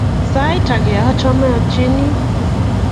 Sait ake achame atyeni